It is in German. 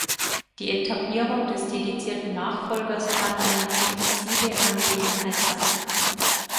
Die Etablierung des dedizierten Nachfolgers kann eine diffizile Angelegenheit sein.